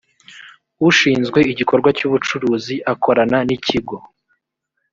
ushinzwe igikorwa cy’ubucuruzi akorana n’ikigo